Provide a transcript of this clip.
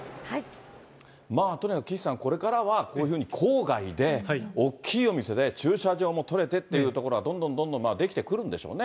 まあ、とにかく岸さん、これからはこういうふうに郊外で、大きいお店で駐車場も取れてっていうところは、どんどんどんどん出来てくるんでしょうね。